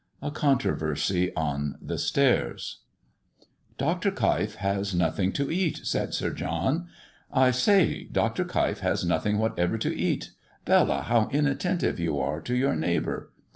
A CONTROVERSY ON THE STAIRS. "Dr. Keif has got nothing to eat," said Sir John. "I say, Dr. Keif has nothing whatever to eat. Bella, how inattentive you are to your neighbour."